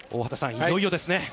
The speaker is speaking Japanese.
いよいよですね。